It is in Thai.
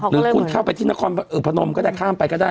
หรือคุณเข้าไปที่นครพนมก็ได้ข้ามไปก็ได้